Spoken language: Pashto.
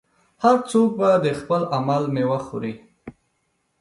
هر څوک به د خپل عمل میوه خوري.